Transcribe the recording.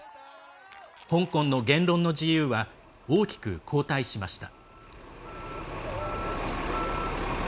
香港の言論の自由は大きく後退しました。